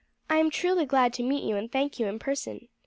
I am truly glad to meet you and thank you in person.